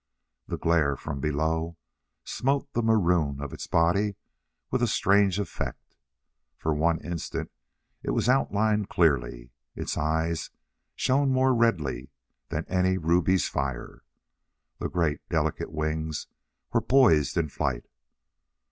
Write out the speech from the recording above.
The glare from below smote the maroon of its body with a strange effect. For one instant it was outlined clearly. Its eyes shone more redly than any ruby's fire. The great, delicate wings were poised in flight.